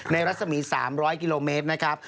รัศมี๓๐๐กิโลเมตรนะครับ